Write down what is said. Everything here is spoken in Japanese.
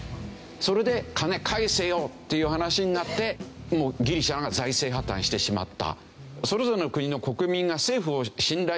それで金返せよっていう話になってギリシャが財政破綻してしまった。